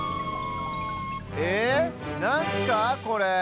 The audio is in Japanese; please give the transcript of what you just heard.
えっなんスかこれ？